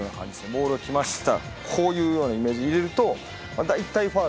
ボールがきました。